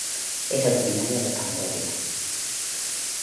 Es originaria de Cambodia.